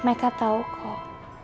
meka tahu kok